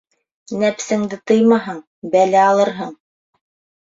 Нәпсеңде тыймаһаң, бәлә алырһың.